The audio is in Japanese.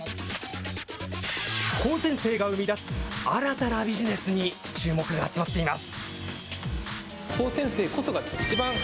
高専生が生み出す、新たなビジネスに注目が集まっています。